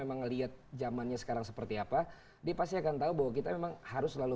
emang ngeliat jamannya sekarang seperti apa dia pasti akan tahu bahwa kita memang harus selalu